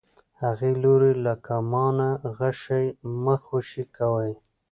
هغې لورې له کمانه غشی مه خوشی کوئ.